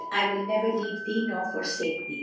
'I will never leave thee nor forsake thee.'